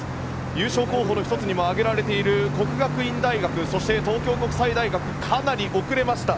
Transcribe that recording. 優勝候補の１つにも挙げられている國學院大學そして、東京国際大学かなり遅れました。